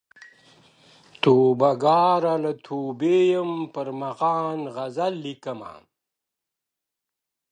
توبه ګاره له توبې یم، پر مغان غزل لیکمه.